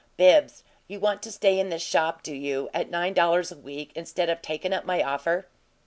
"Bibbs, you want to stay in the shop, do you, at nine dollars a week, instead of takin' up my offer?"